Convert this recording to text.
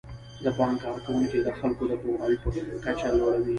د بانک کارکوونکي د خلکو د پوهاوي کچه لوړوي.